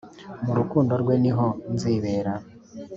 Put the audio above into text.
mu rukundo rwe niho nzibera